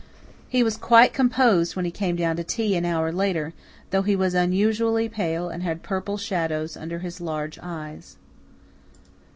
He was quite composed when he came down to tea, an hour later, though he was unusually pale and had purple shadows under his large eyes.